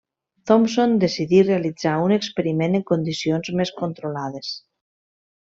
Thompson decidí realitzar un experiment en condicions més controlades.